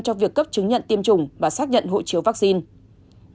cho việc cấp chứng nhận tiêm chủng và xác nhận hộ chiếu vaccine